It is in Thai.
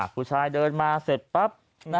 ผู้ชายเดินมาเสร็จปั๊บ